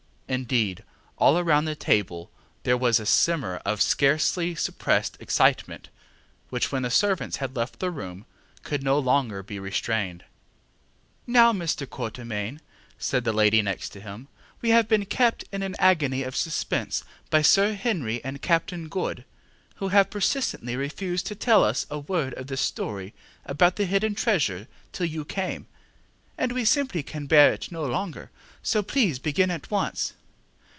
Indeed, all round the table there was a simmer of scarcely suppressed excitement, which, when the servants had left the room, could no longer be restrained. ŌĆ£Now, Mr. Quatermain, ŌĆØ said the lady next him, ŌĆ£we have been kept in an agony of suspense by Sir Henry and Captain Good, who have persistently refused to tell us a word of this story about the hidden treasure till you came, and we simply can bear it no longer; so, please, begin at once.